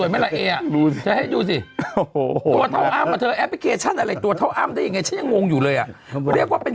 ไม่ใช่ดูตัวแอปแปลกเกชั่นอะไรตัวท้องได้ยังไงเช่นวงอยู่เลยอ่ะบริบัติเป็น